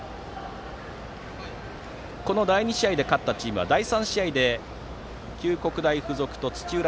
この第２試合で勝ったチームは第３試合で試合を行う九国大付属対土浦